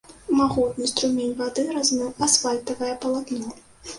Магутны струмень вады размыў асфальтавае палатно.